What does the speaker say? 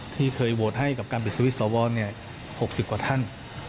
ที่เคยโหวตให้กับการปิดสวิตชอวร๖๐กว่าท่าน